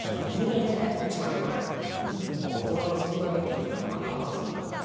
こっちもやっぱね大人がそれだけやってるの見たらまあ我慢するかと。